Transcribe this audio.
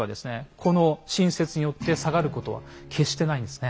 この新説によって下がることは決してないんですね。